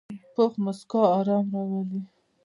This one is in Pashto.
پوخ مسکا آرامي راوړي